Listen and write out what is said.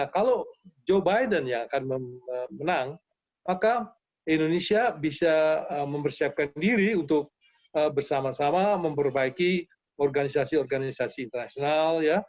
kalau joe biden yang akan menang maka indonesia bisa mempersiapkan diri untuk bersama sama memperbaiki organisasi organisasi internasional